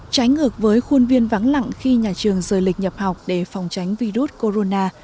trái ngược với khuôn viên vắng lặng khi nhà trường rời lịch nhập học để phòng tránh virus corona